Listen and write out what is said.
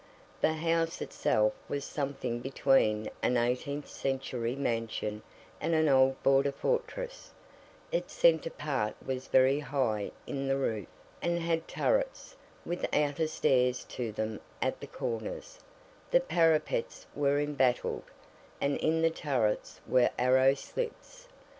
The house itself was something between an eighteenth century mansion and an old Border fortress; its centre part was very high in the roof, and had turrets, with outer stairs to them, at the corners; the parapets were embattled, and in the turrets were arrow slits.